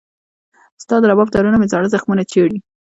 ستا د رباب تارونه مې زاړه زخمونه چېړي